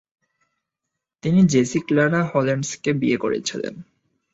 তিনি Jessie Clara হল্যান্ডসকে বিয়ে করেছিলেন।